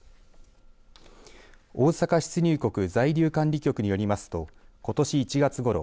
大阪出入国在留管理局によりますとことし１月ごろ